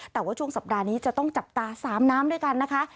แต่ว่าช่วงสัปดาห์นี้จะต้องจับตา๓น้ำด้วยกันนะคะ